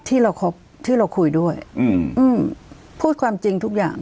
ที่เราครบที่เราคุยด้วยอืมอืมพูดความจริงทุกอย่าง